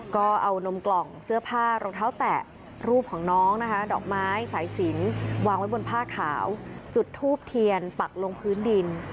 ก็เอานมกล่องเสื้อผ้ารองเท้าแตะรูปของน้องนะคะดอกไม้สายสินวางไว้บนผ้าขาวจุดทูบเทียนปักลงพื้นดิน